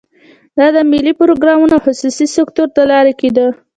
دا د ملي پروګرامونو او خصوصي سکتور له لارې کېده.